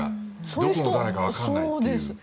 どこの誰かわからないという。